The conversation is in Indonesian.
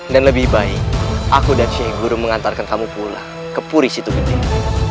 dan lebih baik aku dan sheikh guru mengantarkan kamu pulang ke purisitu gendeng